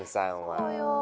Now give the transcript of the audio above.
そうよ。